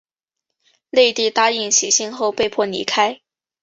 内蒂答应写信后被迫离开。